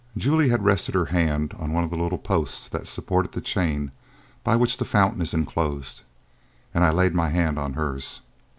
Juliet had rested her hand on one of the little posts that support the chain by which the fountain is enclosed and I had laid my hand on hers.